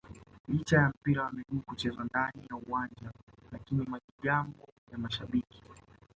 licha ya mpira wa miguu kuchezwa ndani ya uwanja lakini majigambo ya mashabiki